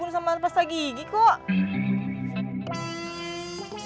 udah ga ada yang ngeliat